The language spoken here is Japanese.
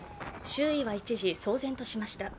周囲は一時、騒然としました